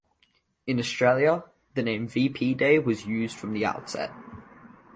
In Australia, the name "V-P Day" was used from the outset.